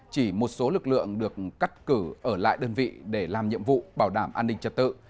chỉ một số lực lượng được cắt cử ở lại đơn vị để làm nhiệm vụ bảo đảm an ninh trật tự